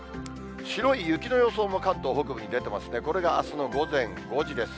白い雪の予想も関東北部に出てますね、これがあすの午前５時です。